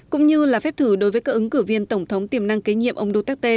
cũng như là phép thử đối với các ứng cử viên tổng thống tiềm năng kế nhiệm ông duterte